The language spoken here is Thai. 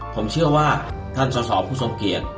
ผมเชื่อว่าท่านสอดสอบคุณสมเกียจ